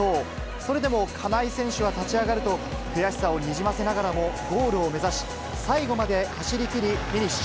それでも金井選手は立ち上がると、悔しさをにじませながらも、ゴールを目指し、最後まで走りきり、フィニッシュ。